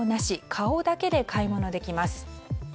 顔だけで買い物できます。